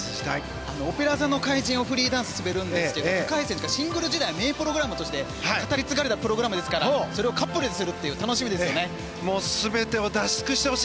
「オペラ座の怪人」をフリーダンスでは滑るんですけどシングル時代に名プログラムとして語り継がれたプログラムですからそれをカップルで滑るのは楽しみですね。